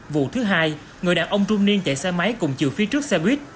vụ thứ hai người đàn ông trung niên chạy xe máy cùng chiều phía trước xe buýt